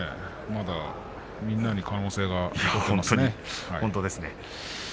まだ、みんなに可能性がありますね。